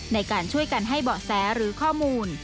ในการช่วยกันให้เบาะแสหรือข้อมูล